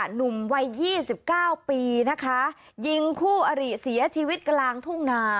หนุ่มวัยยี่สิบเก้าปีนะคะยิงคู่อริเสียชีวิตกลางทุ่งนา